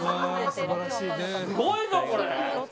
すごいぞ、これ。